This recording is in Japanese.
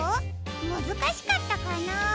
むずかしかったかな？